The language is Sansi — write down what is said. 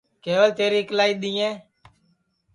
کیول تیری اِکلائی دؔیں